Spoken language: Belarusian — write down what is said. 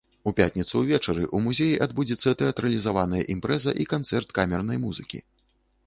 У пятніцу ўвечары ў музеі адбудзецца тэатралізаваная імпрэза і канцэрт камернай музыкі.